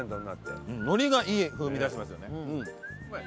海苔がいい風味出してますよね。